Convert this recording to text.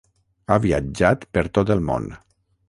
Ha viatjat per tot el món.